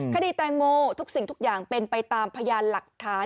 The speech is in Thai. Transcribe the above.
คดีแตงโมทุกสิ่งทุกอย่างเป็นไปตามพยานหลักฐาน